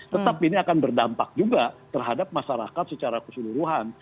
tetap ini akan berdampak juga terhadap masyarakat secara keseluruhan